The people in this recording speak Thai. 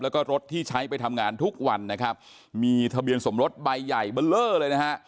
แล้วก็รถที่ใช้ไปทำงานทุกวันนะครับมีทะเบียนสมรสใบใหญ่เบอร์เลอร์เลยนะฮะ